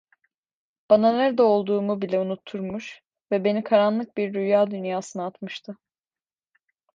Bana nerede olduğumu bile unutturmuş ve beni karanlık bir rüya dünyasına atmıştı.